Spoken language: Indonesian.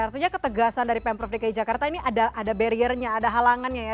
artinya ketegasan dari pemprov dki jakarta ini ada barriernya ada halangannya ya